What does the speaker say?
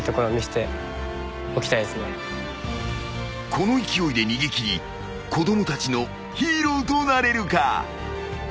［この勢いで逃げ切り子供たちのヒーローとなれるか？］